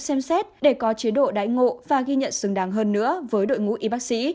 xem xét để có chế độ đáy ngộ và ghi nhận xứng đáng hơn nữa với đội ngũ y bác sĩ